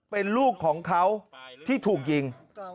เป็นลูกของเขาที่ถูกยิง